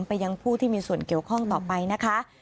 ไปยังผู้ที่มีส่วนเกี่ยวข้องต่อไปนะคะ